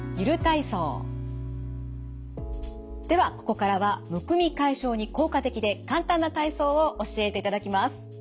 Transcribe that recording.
ではここからはむくみ解消に効果的で簡単な体操を教えていただきます。